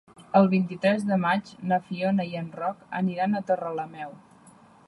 El vint-i-tres de maig na Fiona i en Roc aniran a Torrelameu.